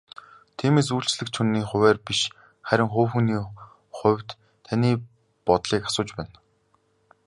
Тиймээс үйлчлэгч хүний хувиар биш харин хувь хүний хувьд таны бодлыг асууж байна.